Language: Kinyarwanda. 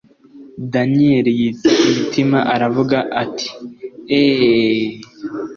daniel yitsa imitima aravuga ati: eeeeeeh!